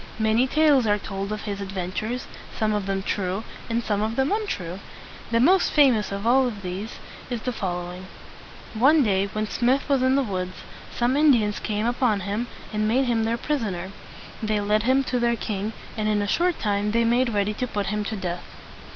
Many tales are told of his ad ven tures, some of them true and some of them untrue. The most famous of all these is the fol low ing: One day when Smith was in the woods, some Indians came upon him, and made him their pris on er. They led him to their king, and in a short time they made ready to put him to death.